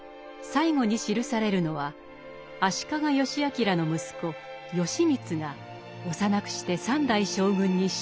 最後に記されるのは足利義詮の息子義満が幼くして三代将軍に就任。